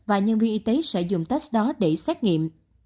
và nhân viên y tế sẽ dùng test đó để xét nghiệm